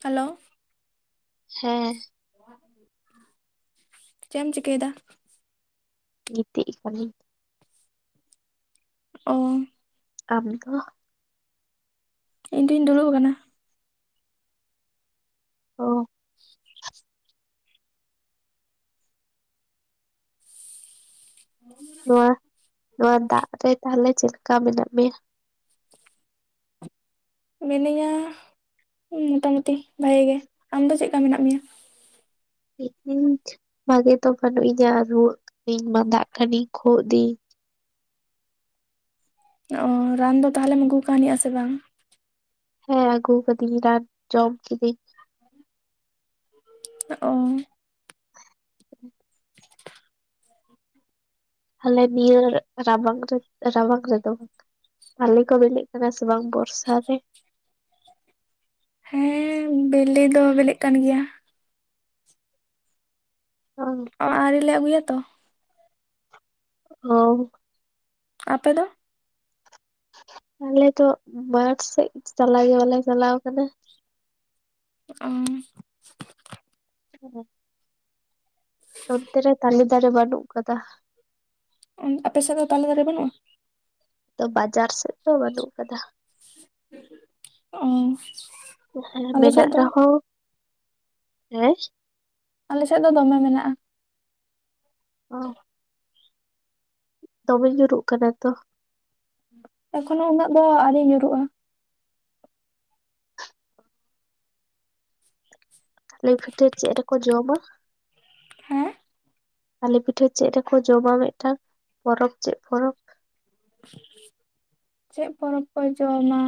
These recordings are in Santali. ᱦᱮᱞᱳ ᱦᱮᱸ ᱪᱮᱜ ᱮᱢ ᱪᱤᱠᱟᱹ ᱮᱭᱫᱟ ᱜᱤᱛᱤᱡ ᱤᱠᱟᱹᱱᱟᱹᱧ ᱚᱻ ᱟᱢ [unintelligible] ᱤᱧ ᱫᱩᱧ ᱫᱩᱲᱩᱵ ᱟᱠᱟᱱᱟ ᱾ ᱚᱻ [inaudible] [unintelligible] ᱱᱚᱣᱟ ᱱᱚᱣᱟ ᱫᱟᱜ ᱨᱮ ᱛᱟᱦᱚᱞᱮ ᱪᱮᱫ ᱞᱮᱠᱟ ᱢᱮᱱᱟᱜ ᱢᱮᱭᱟ? ᱢᱤᱱᱟᱹᱧᱟ ᱢᱚᱴᱟᱢᱩᱴᱤ ᱵᱷᱟᱜᱮ ᱜᱮ, ᱟᱢ ᱫᱚ ᱪᱮᱫ ᱞᱮᱠᱟ ᱢᱮᱱᱟᱜ ᱢᱮᱭᱟ? [unintelligible] ᱵᱷᱟᱹᱜᱮ ᱫᱚ ᱵᱟᱹᱱᱩᱜ ᱤᱧᱟᱹ ᱨᱩᱣᱟᱹᱜ ᱠᱟᱹᱱᱤᱧ ᱢᱟᱸᱫᱟᱜ ᱠᱟᱹᱱᱤᱧ ᱠᱷᱩᱜ ᱫᱤᱧ ᱾ ᱚ ᱨᱟᱱ ᱫᱚ ᱛᱟᱦᱚᱞᱮᱢ ᱟᱹᱜᱩ ᱠᱟᱹᱱᱤᱡ ᱟᱥᱮ ᱵᱟᱝ? ᱦᱮᱸ ᱟᱹᱜᱩ ᱟᱠᱟᱫᱤᱧ ᱨᱟᱱ ᱡᱚᱢ ᱠᱤᱫᱤᱧ ᱾ ᱚᱻ [unintelligible] ᱛᱟᱦᱞᱮ ᱱᱤᱭᱟᱹ ᱨᱟᱵᱟᱝ ᱨᱮ ᱨᱟᱵᱟᱝ ᱨᱮᱫᱚᱼᱼ ᱛᱟᱞᱮ ᱠᱚ ᱵᱤᱞᱤᱜ ᱠᱟᱱᱟ ᱥᱮ ᱵᱟᱝ ᱵᱚᱨᱥᱟ ᱨᱮ ᱦᱮᱸ ᱵᱤᱞᱤ ᱫᱚ ᱵᱤᱞᱤᱜ ᱠᱟᱱ ᱜᱮᱭᱟ [unintelligible] ᱚ ᱟᱹᱣᱨᱤ ᱞᱮ ᱟᱜᱩᱭᱟ ᱛᱚᱼᱼ [unintelligible] ᱟᱯᱮ ᱫᱚᱼᱼ ᱟᱞᱮ ᱫᱚ ᱢᱟᱴ ᱥᱮᱫ ᱪᱟᱞᱟᱜ ᱜᱮ ᱵᱟᱞᱮ ᱪᱟᱞᱟᱣ ᱠᱟᱱᱟ [unintelligible] [inaudible] ᱱᱚᱱᱛᱮ ᱨᱮ ᱛᱟᱞᱮ ᱫᱟᱨᱮ ᱵᱟᱹᱱᱩᱜ ᱟᱠᱟᱫᱟ ᱚᱱ ᱟᱯᱮ ᱥᱮᱫ ᱫᱚ ᱛᱟᱞᱮ ᱫᱟᱨᱮ ᱵᱟᱹᱱᱩᱜᱼᱟ ᱛᱚ ᱵᱟᱡᱟᱨ ᱥᱮᱫ ᱫᱚ ᱵᱟᱹᱱᱩᱜ ᱟᱠᱟᱫᱟ ᱚᱸᱻ ᱦᱮᱸ ᱢᱮᱱᱟᱜ ᱨᱮᱦᱚᱸ ᱦᱮᱸᱼᱼ ᱟᱞᱮ ᱥᱮᱫ ᱫᱚ ᱫᱚᱢᱮ ᱢᱮᱱᱟᱜᱼᱟ [unintelligible] ᱫᱚᱢᱮ ᱧᱩᱨᱩᱜ ᱠᱟᱱᱟ ᱛᱚ ᱮᱠᱷᱚᱱᱚ ᱩᱱᱟᱹᱜ ᱫᱚ ᱟᱹᱣᱨᱤ ᱧᱩᱨᱩᱜᱼᱟ ᱛᱟᱞᱮ ᱯᱷᱤᱴᱟᱹ ᱪᱮᱫ ᱨᱮ ᱠᱚ ᱡᱚᱢᱟ? ᱦᱮᱸ ᱛᱟᱞᱮ ᱯᱤᱴᱷᱟᱹ ᱪᱮᱫ ᱨᱮᱠᱚ ᱡᱚᱢᱟ ᱢᱤᱫᱴᱟᱝ ᱯᱚᱨᱚᱵᱽ ᱪᱮᱫ ᱯᱚᱨᱚᱵᱽ [inaudible] ᱪᱮᱫ ᱯᱚᱨᱚᱵᱽ ᱠᱚ ᱡᱚᱢᱟ?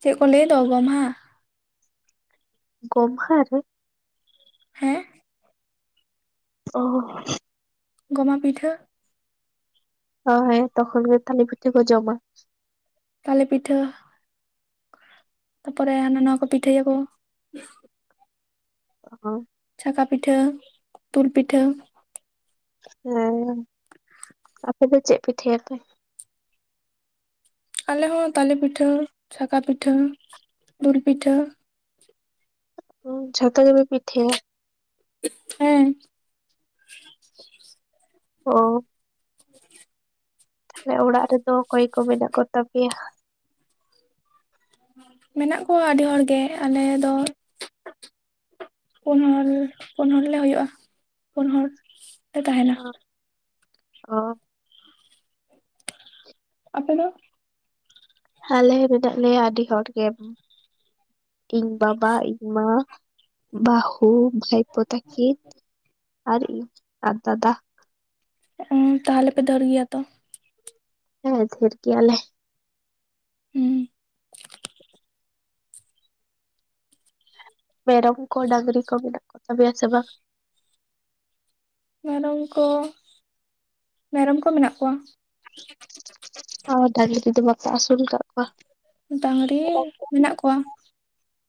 ᱪᱮᱫ ᱠᱚ ᱞᱟᱹᱭ ᱫᱚ ᱜᱚᱢᱦᱟ ᱜᱚᱢᱦᱟ ᱨᱮᱼᱼ ᱦᱮᱸ ᱚᱼᱼ ᱜᱚᱢᱦᱟ ᱯᱤᱴᱟᱹ ᱦᱳᱼᱳᱭ ᱛᱚᱠᱷᱚᱱ ᱜᱮ ᱛᱟᱞᱤ ᱯᱤᱴᱷᱤ ᱠᱚ ᱡᱚᱢᱟ᱾ ᱛᱟᱞᱮ ᱯᱤᱴᱷᱟᱹ ᱛᱟᱯᱚᱨᱮ ᱦᱟᱸᱱᱟ ᱱᱟᱣᱟ ᱠᱚ ᱯᱤᱴᱷᱟᱹᱭᱟ ᱠᱚ᱾ [inaudible] ᱪᱷᱟᱠᱟ ᱯᱤᱴᱷᱟᱹ ᱫᱩᱞ ᱯᱤᱴᱷᱟᱹ ᱦᱮᱸ᱾ [unintelligible] ᱟᱯᱮ ᱯᱮ ᱪᱮᱫ ᱯᱤᱴᱷᱟᱹᱭᱟᱯᱮ? ᱟᱞᱮ ᱦᱚᱸ ᱛᱟᱞᱮ ᱯᱤᱴᱷᱟᱹ ᱪᱷᱟᱠᱟ ᱯᱤᱴᱷᱟᱹ ᱫᱩᱞ ᱯᱤᱴᱷᱟᱹ ᱦᱩᱸ ᱡᱷᱚᱛᱚ ᱜᱮᱯᱮ ᱯᱤᱴᱷᱟᱹᱭᱟ? ᱦᱮᱸ᱾ ᱚ᱾ ᱦ [inaudible] [unintelligible] ᱛᱟᱦᱞᱮ ᱚᱲᱟᱜ ᱨᱮᱫᱚ ᱚᱠᱚᱭ ᱠᱚ ᱢᱮᱱᱟᱜ ᱠᱚ ᱛᱟᱯᱮᱭᱟ? ᱢᱮᱱᱟᱜ ᱠᱚᱣᱟ ᱟᱹᱰᱤ ᱦᱚᱲᱜᱮ ᱟᱞᱮ ᱫᱚ ᱯᱩᱱ ᱦᱚᱲ ᱯᱩᱱ ᱦᱚᱲᱞᱮ ᱦᱩᱭᱩᱜᱼᱟ ᱯᱩᱱ ᱦᱚᱲ ᱞᱮ ᱛᱟᱦᱮᱸᱱᱟ᱾ ᱚ ᱟᱯᱮ ᱫᱚ? ᱟᱞᱮ ᱦᱚ ᱢᱮᱱᱟᱜ ᱞᱮᱭᱟ ᱟᱹᱰᱤ ᱦᱚᱲ ᱜᱮ ᱤᱧ ᱵᱟᱵᱟ ᱤᱧ ᱢᱟ ᱵᱟᱦᱩ ᱵᱷᱟᱭᱯᱳ ᱛᱟᱠᱤᱱ ᱟᱨ ᱤᱧ ᱫᱟᱫᱟ᱾ ᱩᱸ ᱛᱟᱦᱚᱞᱮ ᱯᱮ ᱫᱷᱮᱨ ᱜᱮᱭᱟ ᱛᱚ? ᱦᱮᱸ ᱫᱷᱮᱨ ᱜᱮᱭᱟᱞᱮ᱾ ᱦᱩᱸ᱾ ᱢᱮᱨᱚᱢ ᱠᱚ ᱰᱟᱝᱨᱤ ᱠᱚ ᱢᱮᱱᱟᱜ ᱠᱚ ᱛᱟᱯᱮᱭᱟ ᱥᱮ ᱵᱟᱝ? ᱢᱮᱨᱚᱢ ᱠᱚ ᱢᱮᱨᱚᱢ ᱠᱚ ᱢᱮᱱᱟᱜ ᱠᱚᱣᱟ᱾ ᱟᱨ ᱰᱟᱹᱝᱨᱤ ᱠᱚᱫᱚ ᱵᱟᱯᱮ ᱟᱹᱥᱩᱞ ᱠᱟᱫ ᱠᱚᱣᱟ? ᱰᱟᱝᱨᱤ ᱢᱮᱱᱟᱜ ᱠᱚᱣᱟ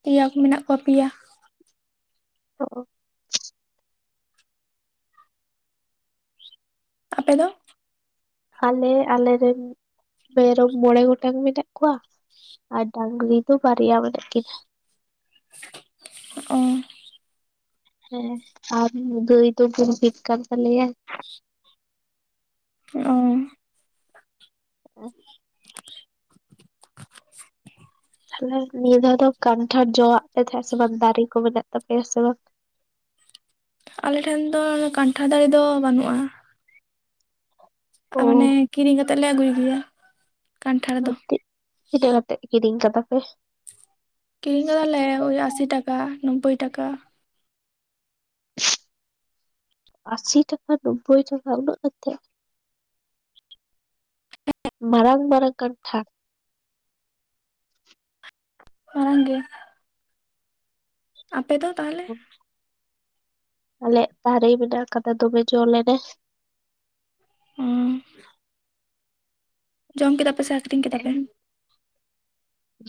ᱯᱤᱭᱟ ᱠᱚ ᱢᱮᱱᱟᱜ ᱠᱚᱣᱟ ᱯᱤᱭᱟ᱾ ᱚ᱾ ᱟᱯᱮ ᱫᱚ? ᱟᱞᱮ ᱟᱞᱮ ᱨᱮᱱ ᱢᱮᱨᱚᱢ ᱢᱚᱬᱮ ᱜᱚᱴᱟᱝ ᱢᱮᱱᱟᱜ ᱠᱚᱣᱟ, ᱟᱨ ᱰᱟᱝᱨᱤ ᱫᱚ ᱵᱟᱨᱭᱟ ᱢᱮᱱᱟᱜ ᱠᱤᱱᱟᱹ᱾ ᱚᱸ᱾ ᱦᱮᱸ ᱟᱨ ᱜᱟᱹᱭ ᱫᱚ ᱜᱩᱨᱵᱷᱤᱱ ᱠᱟᱱ ᱛᱟᱞᱮᱭᱟ᱾ ᱚᱸ᱾ [inaudible] ᱛᱟᱦᱞᱮ ᱱᱤᱭᱟᱹ ᱫᱷᱟᱣ ᱫᱚ ᱠᱟᱱᱴᱷᱟᱲ ᱡᱚᱣᱟᱜ ᱯᱮ ᱛᱟᱦᱮᱸᱜᱼᱟ ᱥᱮ ᱵᱟᱝ ᱫᱟᱨᱮ ᱠᱚ ᱢᱮᱱᱟᱜ ᱛᱟᱯᱮᱭᱟ ᱥᱮ ᱵᱟᱝ? ᱟᱞᱮ ᱴᱷᱮᱱ ᱫᱚ ᱠᱟᱱᱴᱷᱟᱲ ᱫᱟᱲᱮ ᱫᱚ ᱵᱟᱹᱱᱩᱜᱼᱟ᱾ ᱟ ᱚ ᱢᱟᱱᱮ ᱠᱤᱨᱤᱧ ᱠᱟᱛᱮᱜ ᱞᱮ ᱟᱹᱜᱩᱭ ᱜᱮᱭᱟ᱾ ᱠᱟᱱᱴᱷᱟᱲ ᱫᱚ ᱟᱨ ᱛᱤ ᱛᱤᱱᱟᱹᱜ ᱠᱟᱛᱮᱜ ᱠᱤᱨᱤᱧ ᱠᱟᱫᱟ ᱯᱮ? ᱠᱤᱨᱤᱧ ᱠᱟᱫᱟᱞᱮ ᱳᱭ ᱟᱥᱤ ᱴᱟᱠᱟ ᱱᱳᱵᱽᱵᱳᱭ ᱴᱟᱠᱟ ᱟᱥᱤ ᱴᱟᱠᱟ ᱱᱳᱵᱵᱳᱭ ᱴᱟᱠᱟ ᱩᱱᱟᱹᱜ ᱠᱟᱛᱮ! ᱢᱟᱨᱟᱝ ᱢᱟᱨᱟᱝ ᱠᱟᱱᱴᱷᱟᱲ᱾ ᱢᱟᱨᱟᱝ ᱜᱮ᱾ ᱟᱯᱮ ᱫᱚ ᱛᱟᱦᱚᱞᱮ? ᱟᱞᱮᱭᱟᱜ ᱫᱟᱨᱮ ᱢᱮᱱᱟᱜ ᱠᱟᱫᱟ ᱫᱚᱢᱮ ᱡᱚ ᱞᱮᱱᱟ᱾ ᱩᱸ ᱾ ᱡᱚᱢ ᱠᱮᱫᱟ ᱯᱮ ᱥᱮ ᱟᱠᱷᱨᱤᱧ ᱠᱮᱫᱟ ᱯᱮ?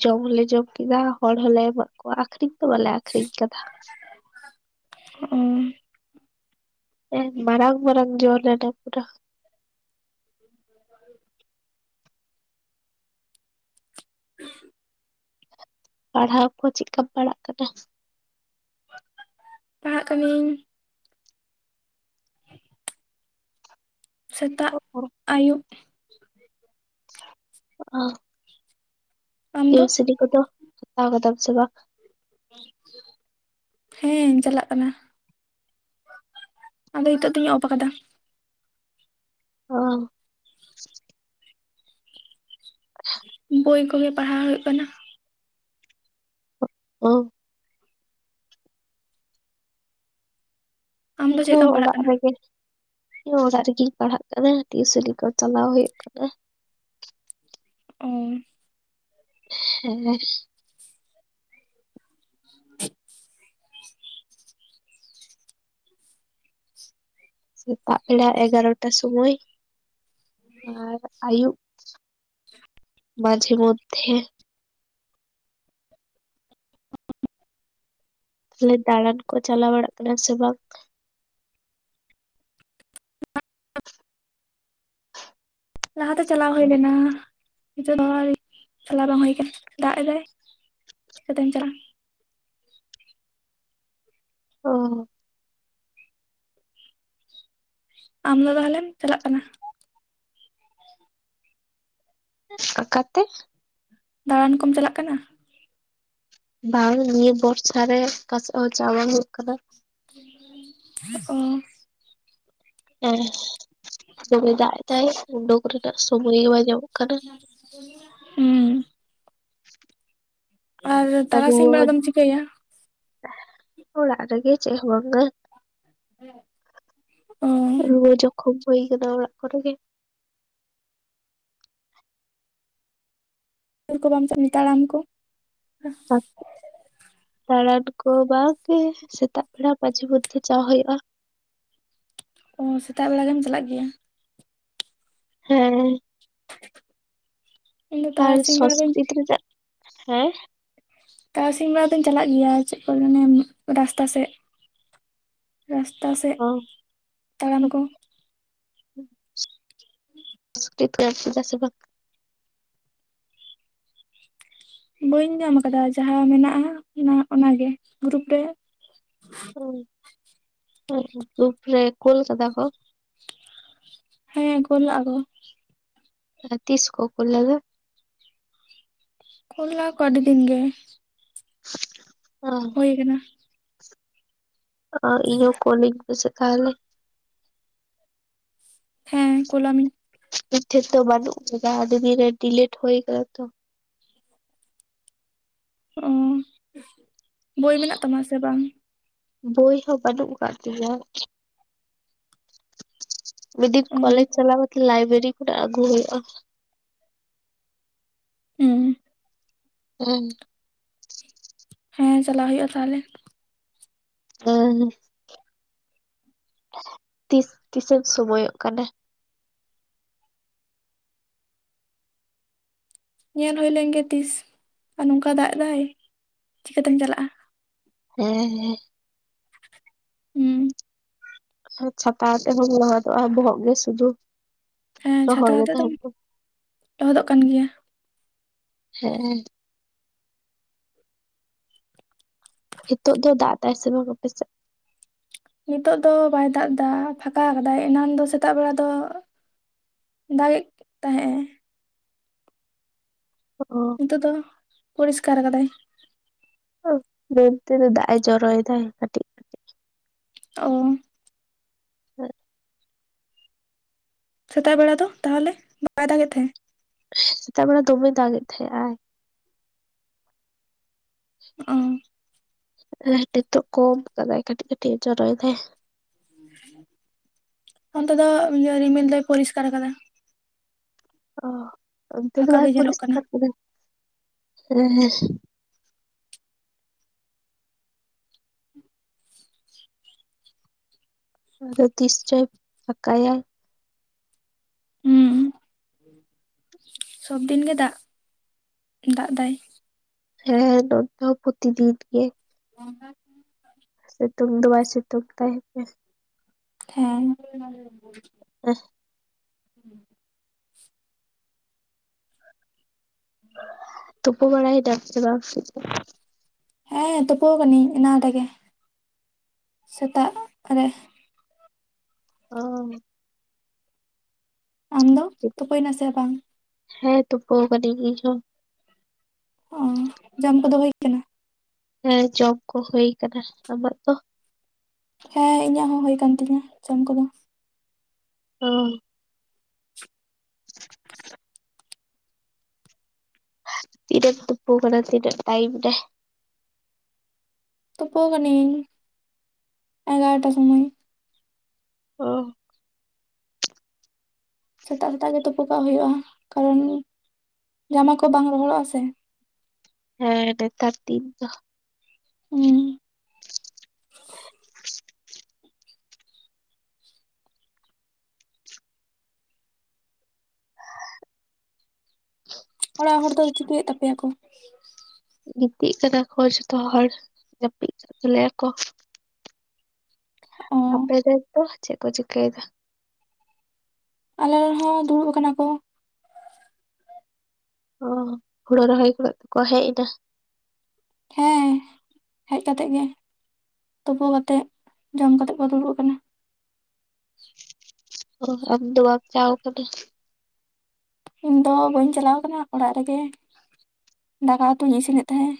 ᱡᱚᱢ ᱦᱚᱞᱮ ᱡᱚᱢ ᱠᱮᱫᱟ ᱦᱚᱲ ᱦᱚᱞᱮ ᱮᱢᱟᱜ ᱠᱚᱣᱟ ᱟᱠᱷᱨᱤᱧ ᱫᱚ ᱵᱟᱞᱮ ᱟᱠᱷᱨᱤᱧ ᱟᱠᱟᱫᱟ ᱾ ᱦᱩᱸᱜ ᱩᱸ ᱢᱟᱨᱟᱝ ᱢᱟᱨᱟᱝ ᱡᱚ ᱞᱮᱱᱟ ᱯᱩᱨᱟ ᱾ [inaudible] ᱯᱟᱲᱦᱟᱣ ᱠᱚ ᱪᱮᱜ ᱠᱟᱢ ᱯᱟᱲᱟᱜ ᱠᱟᱱᱟ? ᱯᱟᱲᱦᱟᱜ ᱠᱟᱹᱱᱟᱹᱧ ᱥᱮᱛᱟᱜ, ᱟᱹᱭᱩᱵ ᱾ ᱚ ᱾ ᱟᱢ ᱡᱮ ᱫᱚ ᱤ ᱥᱤᱵᱤ ᱠᱚᱫᱚ ᱦᱟᱛᱟᱣ ᱠᱟᱫᱟᱢ ᱥᱮ ᱵᱟᱝ? ᱦᱮᱸ ᱪᱟᱞᱟᱜ ᱠᱟᱱᱟ ᱾ ᱟᱫᱚ ᱱᱤᱛᱚᱜ ᱫᱩᱧ ᱚᱯ ᱟᱠᱟᱫᱟ ᱾ ᱚᱸ ᱾ ᱵᱩᱭ ᱠᱚᱜᱮ ᱯᱟᱲᱦᱟᱣ ᱦᱩᱭᱩᱜ ᱠᱟᱱᱟ ᱾ ᱚ ᱾ ᱟᱢ ᱫᱚ ᱤᱧ ᱦᱚᱸ ᱪᱮᱫᱠᱟᱢ ᱯᱟᱲᱦᱟᱜ ᱚᱲᱟᱜ ᱠᱟᱱᱟ ᱨᱮᱜᱮ ᱾ ᱤᱧ ᱚᱲᱟᱜ ᱨᱤᱜᱤᱧ ᱯᱟᱲᱦᱟᱜ ᱠᱟᱱᱟ ᱴᱤᱭᱩᱥᱮᱱᱤ ᱠᱚ ᱪᱟᱞᱟᱣ ᱦᱩᱭᱩᱜ ᱠᱟᱱᱟ ᱾ ᱚ ᱾ ᱦᱮᱸ ᱾ [inaudible] ᱥᱮᱛᱟᱜ ᱵᱮᱲᱟ ᱮᱜᱟᱨᱚᱴᱟ ᱥᱚᱢᱚᱭ, ᱟᱨ ᱟᱹᱭᱩᱵ ᱾ ᱵᱟᱡᱷᱮ ᱢᱚᱫᱫᱷᱮ ᱾ ᱛᱟᱦᱞᱮ ᱫᱟᱬᱟᱱ ᱠᱚ ᱪᱟᱞᱟᱣ ᱵᱟᱲᱟᱜ ᱠᱟᱱᱟ ᱥᱮ ᱵᱟᱝ? ᱞᱟᱦᱟᱛᱮ ᱪᱟᱞᱟᱣ ᱦᱩᱭ ᱞᱮᱱᱟ ᱾ ᱱᱤᱛᱚᱜ ᱫᱚ ᱚᱲᱟᱜ ᱨᱮᱜᱮ ᱪᱟᱞᱟᱣ ᱵᱟᱝ ᱦᱩᱭ ᱠᱟᱱᱟ ᱫᱟᱜᱽ ᱮᱫᱟᱭ, ᱪᱤᱠᱟᱹᱛᱮᱢ ᱪᱟᱞᱟᱜᱼᱟ ᱾ ᱚᱦᱚ ᱾ ᱟᱢ ᱫᱚ ᱛᱟᱦᱞᱮᱢ ᱪᱟᱞᱟᱜ ᱠᱟᱱᱟ ᱾ ᱠᱟᱠᱟᱛᱮ ᱫᱟᱬᱟᱱ ᱠᱚᱢ ᱪᱟᱞᱟᱜ ᱠᱟᱱᱟ? ᱵᱟᱝ ᱱᱤᱭᱟᱹ ᱵᱚᱨᱥᱟ ᱨᱮ ᱚᱠᱟᱥᱮᱫ ᱦᱚᱸ ᱪᱟ ᱵᱟᱝ ᱦᱩᱭᱩᱜ ᱠᱟᱱᱟ ᱾ ᱚ ᱾ ᱦᱮᱸ ᱫᱚᱢᱮ ᱫᱟᱜᱽ ᱮᱫᱟᱭ, ᱩᱱᱰᱩᱠ ᱨᱮᱱᱟᱜ ᱥᱚᱢᱚᱭ ᱜᱮ ᱵᱟᱭ ᱧᱟᱢᱚᱜ ᱠᱟᱱᱟ ᱾ ᱦᱩᱸ ᱾ ᱟᱨ ᱛᱟᱨᱟᱥᱤᱧ ᱨᱩᱣᱟᱹ ᱵᱮᱲᱟ ᱫᱚᱢ ᱪᱤᱠᱟᱹᱭᱟ? ᱚᱲᱟᱜ ᱨᱮᱜᱮ ᱪᱮᱜ ᱦᱚᱸ ᱵᱟᱝ ᱜᱮ᱾ ᱚ ᱨᱩᱣᱟᱹ ᱡᱚᱠᱷᱚᱢ ᱦᱩᱭ ᱠᱟᱱᱟ ᱚᱲᱟᱜ ᱠᱚᱨᱮ ᱜᱮ ᱾ [inaudible] ᱛᱟᱲᱟᱢ ᱠᱚ ᱾ ᱫᱟᱬᱟᱱ ᱠᱚ ᱵᱟᱝ ᱜᱮ ᱥᱮᱛᱟᱜ ᱵᱮᱲᱟ ᱢᱟᱺᱡᱷᱤ ᱢᱚᱫᱽᱫᱷᱮ ᱪᱟ ᱦᱩᱭᱩᱜᱼᱟ ᱾ ᱚ ᱥᱮᱛᱟᱜ ᱵᱮᱲᱟ ᱜᱮᱢ ᱪᱟᱞᱟᱜ ᱜᱮᱭᱟ ᱾ ᱦᱮᱸ ᱾ [inaudible] ᱤᱧ ᱫᱚ ᱟᱨ ᱛᱟᱨᱟᱥᱤᱧ ᱵᱮᱲᱟ ᱫᱚᱧ ᱥᱚᱥᱠᱨᱤᱛ ᱨᱮᱱᱟᱜ, ᱦᱮᱸ ᱛᱟᱨᱟᱥᱤᱧ ᱵᱮᱲᱟ ᱫᱩᱧ ᱪᱟᱞᱟᱜ ᱜᱮᱭᱟ ᱪᱮᱫ ᱠᱚ ᱢᱟᱱᱮ ᱨᱟᱥᱛᱟ ᱥᱮᱜ ᱾ ᱨᱟᱥᱛᱟ ᱥᱮᱫ ᱚ ᱛᱟᱲᱟᱢ ᱠᱚ ᱾ [inaudible] ᱵᱟᱹᱧ ᱧᱟᱢ ᱟᱠᱟᱫᱟ ᱡᱟᱦᱟᱸ ᱢᱮᱱᱟᱜᱼᱟ ᱦᱟᱸᱜ ᱚᱱᱟ ᱚᱱᱟᱜᱮ ᱜᱨᱩᱯ ᱨᱮ ᱦᱚᱭ ᱜᱨᱩᱯ ᱨᱮ ᱠᱩᱞ ᱠᱟᱫᱟ ᱠᱚ ᱾ ᱦᱮᱸ ᱠᱩᱞ ᱞᱟᱜ-ᱟᱠᱚ ᱾ ᱛᱤᱥ ᱠᱚ ᱠᱩᱞ ᱞᱮᱫᱟ? ᱠᱩᱞ ᱞᱟᱜ-ᱟᱠᱚ ᱟᱹᱰᱤ ᱫᱤᱱ ᱜᱮ ᱾ ᱠᱟᱱᱟ ᱚ ᱤᱭᱟᱹ [unintelligible] [unintelligible] ᱦᱮᱸ ᱠᱳᱞᱟᱢᱤᱧ ᱾ ᱤᱧ ᱴᱷᱮᱱ ᱫᱚ ᱵᱟᱹᱱᱩᱜᱼᱟᱠᱟᱫᱟ ᱟᱹᱰᱤ ᱫᱤᱱ ᱰᱤᱞᱮᱴ ᱦᱩᱭ ᱠᱟᱱᱟ ᱛᱚ ᱾ ᱚᱸᱻ ᱵᱳᱭ ᱢᱮᱱᱟᱜ ᱛᱟᱢᱟ ᱥᱮ ᱵᱟᱝ? ᱵᱳᱭ ᱦᱚᱸ ᱵᱟᱹᱱᱩᱜ ᱟᱠᱟᱫ ᱛᱤᱧᱟᱹ ᱾ ᱢᱤᱫ ᱫᱤᱱ ᱚ ᱠᱚᱞᱮᱡᱽ ᱪᱟᱞᱟᱣ ᱠᱟᱛᱮᱜ ᱞᱟᱭᱵᱨᱮᱨᱤ ᱠᱷᱚᱱᱟᱜ ᱟᱹᱜᱩ ᱦᱩᱭᱩᱜᱼᱟ ᱾ ᱦᱮᱸ ᱾ ᱦᱩᱸ᱾ ᱦᱮᱸ ᱪᱟᱞᱟᱜ ᱦᱩᱭᱩᱜᱼᱟ ᱛᱟᱦᱚᱞᱮ ᱾ ᱦᱮᱸ ᱛᱤᱥ ᱛᱤᱥᱮᱢ ᱥᱚᱢᱚᱭᱚᱜ ᱠᱟᱱᱟ? ᱧᱮᱞ ᱦᱩᱭ ᱞᱮᱱ ᱜᱮ ᱛᱤᱥ ᱟᱨ ᱱᱚᱝᱠᱟ ᱫᱟᱜ ᱮ ᱫᱟᱭ ᱪᱤᱠᱟᱹᱛᱮᱢ ᱪᱟᱞᱟᱜᱼᱟ? ᱦᱮᱸ ᱦᱮᱸ ᱾ ᱦᱩᱸ᱾ ᱟᱨ ᱪᱷᱟᱛᱟ ᱦᱟᱛᱮᱫ ᱦᱚᱢ ᱞᱚᱦᱚᱫᱚᱜᱼᱟ ᱵᱚᱦᱚᱜ ᱜᱮ ᱥᱩᱫᱷᱩ ᱦᱮᱸ ᱪᱷᱟᱛᱟ ᱨᱚᱦᱚᱲ ᱜᱮ ᱟᱛᱮ ᱫᱚᱢ ᱛᱟᱦᱮᱱ ᱫᱚ ᱾ ᱞᱚᱦᱚᱫᱚᱜ ᱠᱟᱱ ᱜᱮᱭᱟ ᱦᱮᱸ ᱾ ᱱᱤᱛᱚᱜ ᱫᱚ ᱫᱟᱜ ᱮᱫᱟᱭ ᱥᱮ ᱵᱟᱝ ᱟᱯᱮ ᱥᱮᱫ? ᱱᱤᱛᱚᱜ ᱫᱚ ᱵᱟᱭ ᱫᱟᱜ ᱮᱫᱟ ᱯᱷᱟᱠᱟ ᱠᱟᱫᱟᱭ ᱮᱱᱟᱝ ᱫᱚ ᱥᱮᱛᱟᱜ ᱵᱮᱲᱟ ᱫᱚ ᱫᱟᱜᱮᱜ ᱛᱟᱦᱮᱸᱜ ᱮ ᱾ ᱚᱻ ᱱᱤᱛᱚᱜ ᱫᱚ ᱯᱚᱨᱤᱥᱠᱟᱨ ᱟᱠᱟᱫᱟᱭ ᱾ ᱚ ᱡᱩᱨ ᱛᱮᱜᱮ ᱫᱟᱭ ᱮᱭ ᱡᱚᱨᱚᱭ ᱫᱟᱭ ᱠᱟᱹᱴᱤᱜ ᱾ ᱚᱻ ᱦᱮᱸᱻ ᱥᱮᱛᱟᱜ ᱵᱮᱲᱟ ᱫᱚ ᱛᱟᱦᱚᱞᱮ ᱵᱟᱭ ᱫᱟᱜᱮᱫ ᱛᱟᱦᱮᱸᱫ? ᱥᱮᱛᱟᱜ ᱵᱮᱲᱟ ᱫᱚᱢᱮᱭ ᱫᱟᱜ ᱮᱫ ᱛᱟᱦᱮᱸᱜ ᱟᱭ ᱾ ᱚᱻ ᱦᱮᱸ ᱱᱤᱛᱚᱜ ᱠᱚᱢ ᱟᱠᱟᱫᱟᱭ ᱠᱟᱹᱴᱤᱡ ᱠᱟᱹᱴᱤᱡ ᱮ ᱡᱚᱨᱚᱭ ᱫᱟᱭ ᱾ ᱚᱱᱛᱮ ᱫᱚ ᱤᱭᱟᱹ ᱨᱤᱢᱤᱞ ᱫᱚᱭ ᱯᱚᱨᱤᱥᱠᱟᱨ ᱟᱠᱟᱫᱟ ᱾ ᱚ ᱚᱱᱛᱮ ᱫᱚ ᱯᱷᱟᱸᱠᱟ ᱵᱟᱭ ᱜᱮ ᱧᱮᱞᱚᱜ ᱠᱟᱱᱟ ᱯᱚᱨᱤᱥᱠᱟᱨ ᱠᱟᱫᱟᱭ ᱦᱮᱸ ᱦᱮᱸ ᱾ ᱟᱫᱚ ᱛᱤᱥ ᱪᱚᱭ ᱯᱷᱟᱠᱟᱭᱟᱭ ᱾ ᱦᱩᱸ ᱥᱚᱵᱽ ᱫᱤᱱ ᱜᱮ ᱫᱟᱜ, ᱫᱟᱜ ᱮᱫᱟᱭ ᱾ ᱦᱮᱸ ᱱᱚᱛᱮ ᱦᱚᱸ ᱯᱨᱚᱛᱤ ᱫᱤᱱ ᱜᱮ ᱾ [unintelligible] ᱥᱤᱛᱩᱝ ᱫᱚ ᱵᱟᱭ ᱥᱤᱛᱩᱝ ᱮᱫᱟᱭ ᱦᱟᱯᱮ ᱾ ᱦᱮᱸ ᱾ ᱮᱦᱻ [inaudible] ᱛᱳᱯᱳ ᱵᱟᱲᱟᱭᱱᱟᱢ ᱥᱮ ᱵᱟᱝ? ᱦᱮᱸ ᱛᱳᱯᱳ ᱠᱟᱹᱱᱤᱧ ᱮᱱᱟᱝ ᱨᱮᱜᱮ, ᱥᱮᱛᱟᱜ ᱨᱮ᱾ ᱚᱻ, ᱟᱢ ᱫᱚ ᱛᱳᱯᱳᱭ ᱱᱟ ᱥᱮ ᱵᱟᱝ? ᱦᱮᱸ ᱛᱳᱯᱳ ᱠᱟᱹᱱᱤᱧ ᱤᱧ ᱦᱚᱸ᱾ ᱚ ᱡᱟᱢ ᱠᱚᱫᱚ ᱦᱳᱭ ᱠᱟᱱᱟ? ᱦᱮᱸ ᱡᱚᱢ ᱠᱚ ᱦᱳᱭ ᱠᱟᱱᱟ᱾ ᱟᱢᱟᱜ ᱫᱚ? ᱦᱮᱸ ᱤᱧᱟᱹᱜ ᱦᱚᱸ ᱦᱳᱭ ᱠᱟᱱ ᱛᱤᱧᱟ ᱡᱚᱢ ᱠᱚᱫᱚ᱾ ᱚ, ᱛᱤᱨᱮᱢ ᱛᱩᱯᱩ ᱠᱟᱱᱟᱢ ᱛᱤᱱᱟᱹ ᱴᱟᱭᱤᱢ ᱨᱮ? ᱛᱳᱯᱳ ᱠᱟᱹᱱᱤᱧ ᱮᱜᱟᱨᱚᱴᱟ ᱥᱚᱢᱚᱭ᱾ ᱚ, ᱥᱮᱛᱟᱜ ᱥᱮᱛᱟᱜ ᱜᱮ ᱛᱳᱯᱳ ᱠᱚᱜ ᱦᱳᱭᱳᱜᱼᱟ ᱠᱟᱨᱚᱱ ᱡᱟᱢᱟ ᱠᱚ ᱵᱟᱝ ᱨᱚᱦᱚᱲᱚᱜᱼᱟ ᱥᱮ᱾ ᱦᱮᱸ ᱱᱮᱛᱟᱨ ᱫᱤᱱ ᱫᱚ, ᱦᱩᱸ, ᱚᱲᱟᱜ ᱦᱚᱲ ᱫᱚ ᱪᱤᱠᱟᱹᱭᱮᱫ ᱛᱟᱯᱮᱭᱟ ᱠᱚ? ᱜᱤᱛᱤᱜ ᱠᱟᱱᱟ ᱠᱚ ᱡᱷᱚᱛᱚ ᱦᱚᱲ ᱡᱟᱹᱯᱤᱫ ᱠᱟᱜ ᱛᱟᱞᱮᱭᱟ ᱠᱚ᱾ ᱚ ᱟᱯᱮ ᱨᱮᱱ ᱫᱚ ᱪᱮᱫ ᱠᱚ ᱪᱤᱠᱟᱹᱭ ᱫᱟ? ᱟᱞᱮ ᱨᱮᱱ ᱦᱚᱸ ᱫᱩᱬᱩᱵ ᱟᱠᱟᱱᱟ ᱠᱚ᱾ ᱚ ᱦᱩᱬᱩ ᱨᱚᱦᱚᱭ ᱠᱷᱚᱱᱟᱜ ᱠᱚ ᱦᱮᱡ ᱮᱱᱟ? ᱦᱮᱸ ᱦᱮᱡ ᱠᱟᱛᱮᱜ ᱜᱮ ᱛᱳᱯᱳ ᱠᱟᱛᱮᱜ ᱡᱚᱢ ᱠᱟᱛᱮᱜ ᱠᱚ ᱫᱩᱲᱩᱵ ᱟᱠᱟᱱᱟ᱾ [unintelligible] ᱟᱢᱫᱚ ᱵᱟᱢ ᱪᱟᱣ ᱠᱟᱱᱟ? ᱤᱧ ᱫᱚ ᱵᱟᱹᱧ ᱪᱟᱞᱟᱣ ᱠᱟᱱᱟ ᱚᱲᱟᱜ ᱨᱮᱜᱮ ᱫᱟᱠᱟ ᱩᱛᱩᱧ ᱤᱥᱤᱱᱮᱫ ᱛᱟᱦᱮᱸᱫ᱾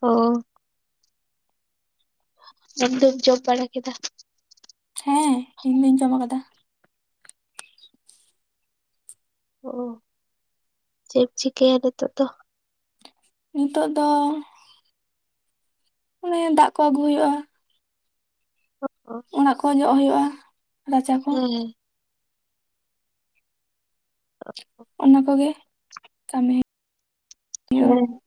ᱚ, ᱡᱚᱢ ᱫᱚᱢ ᱡᱚᱢ ᱵᱟᱲᱟ ᱠᱮᱫᱟ? ᱦᱮᱸ ᱤᱧᱫᱩᱧ ᱡᱚᱢ ᱟᱠᱟᱫᱟ᱾ ᱚ ᱪᱮᱜ ᱮᱢ ᱪᱤᱠᱟᱹᱭᱟ ᱱᱤᱛᱚᱜ ᱫᱚ? ᱱᱤᱛᱟᱹᱜ ᱫᱚ ᱚᱱᱮ ᱫᱟᱜ ᱠᱚ ᱟᱹᱜᱩ ᱦᱩᱭᱩᱜᱼᱟ, ᱚ ᱚᱲᱟᱜ ᱠᱚ ᱡᱚᱜ ᱦᱳᱭᱳᱜᱼᱟ ᱨᱟᱪᱟ ᱠᱚ᱾ ᱦᱮᱸ [unintelligible] ᱚᱱᱟ ᱠᱚᱜᱮ ᱠᱟᱹᱢᱤ᱾ ᱦᱩᱭᱩᱜᱼᱟ ᱦᱮᱸ,